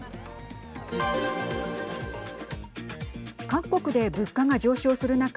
各国で物価が上昇する中